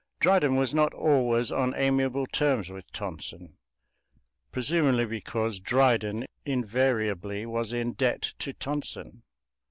Dryden was not always on amiable terms with Tonson, presumably because Dryden invariably was in debt to Tonson.